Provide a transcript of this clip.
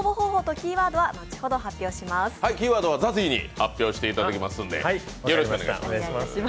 キーワードはＺＡＺＹに発表していただきすので、よろしくお願いします。